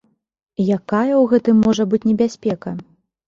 Якая ў гэтым можа быць небяспека?